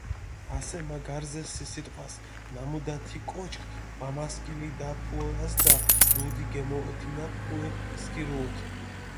ასე მა გარზე სი სიტყვას, ნამუდა თი კოჩქ ვამასქილიდაფუასჷდა, დუდი გჷმოჸოთინაფუე სქირუონ.